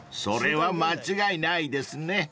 ［それは間違いないですね］